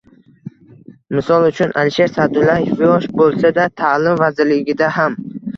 Misol uchun, Alisher Sa’dullayev yosh bo‘lsa-da, Ta’lim vazirligida ham